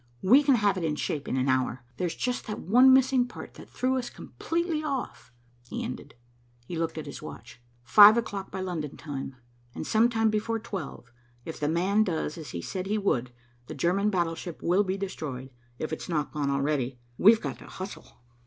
"We can have it in shape in an hour. There's just that one missing part that threw us completely off," he ended. He looked at his watch. "Five o'clock by London time, and sometime before twelve, if the man does as he said he would, the German battleship will be destroyed, if it's not gone already. We've got to hustle."